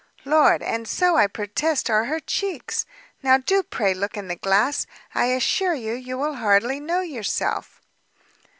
Lord, and so I protest are her cheeks! now do pray look in the glass, I assure you you will hardly know yourself."